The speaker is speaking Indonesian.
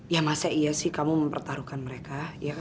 ya masa iya sih kamu mempertaruhkan mereka